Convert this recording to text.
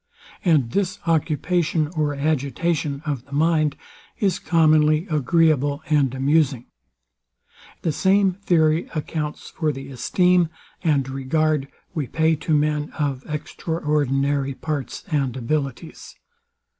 And this occupation or agitation of the mind is commonly agreeable and amusing. The same theory accounts for the esteem and regard we pay to men of extraordinary parts and abilities.